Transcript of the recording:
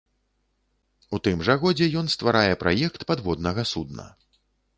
У тым жа годзе ён стварае праект падводнага судна.